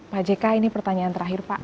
pak jk ini pertanyaan terakhir pak